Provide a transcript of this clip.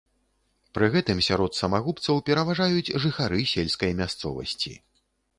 Пры гэтым сярод самагубцаў пераважаюць жыхары сельскай мясцовасці.